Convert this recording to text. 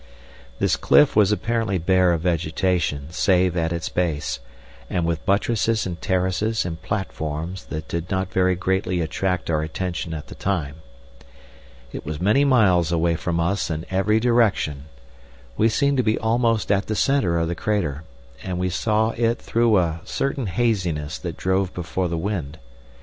This cliff was apparently bare of vegetation save at its base, and with buttresses and terraces and platforms that did not very greatly attract our attention at the time. It was many miles away from us in every direction; we seemed to be almost at the centre of the crater, and we saw it through a certain haziness that drove before the wind.